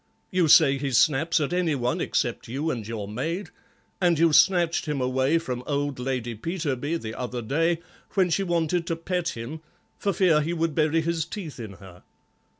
You say he snaps at any one except you and your maid, and you snatched him away from old Lady Peterby the other day, when she wanted to pet him, for fear he would bury his teeth in her.